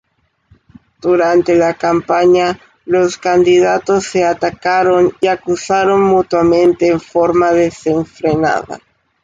Durante la campaña, los candidatos se atacaron y acusaron mutuamente en forma desenfrenada.